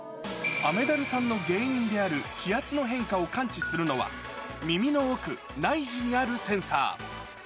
雨ダルさんの原因である気圧の変化を感知するのは、耳の奥、内耳にあるセンサー。